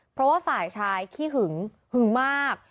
เพราะว่าฝ่ายชายขี้หึงหึงมาก